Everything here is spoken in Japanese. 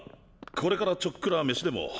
これからちょっくらメシでも。